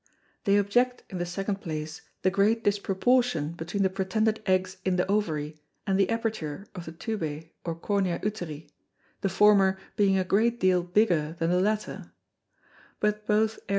They object in the second place the great disproportion between the pretended Eggs in the Ovary, and the Aperture of the Tubæ or Cornua Uteri, the former being a great deal bigger than the latter: But both _R.